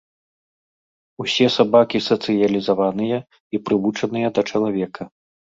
Усе сабакі сацыялізаваныя і прывучаныя да чалавека.